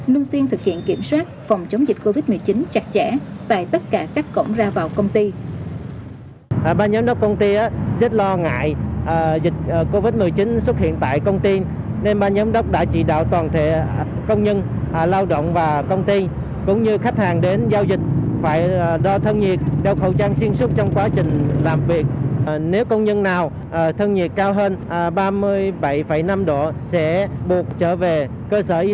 nâng tiên thực hiện kiểm soát phòng chống dịch covid một mươi chín chặt chẽ tại tất cả các cổng ra vào công ty